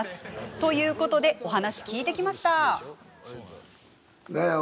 ということでお話、聞いてきました。